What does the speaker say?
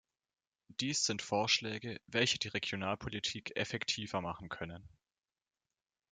Dies sind Vorschläge, welche die Regionalpolitik effektiver machen können.